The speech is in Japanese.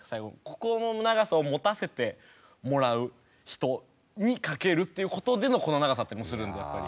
ここの長さをもたせてもらう人に書けるっていうことでのこの長さだったりもするんでやっぱり。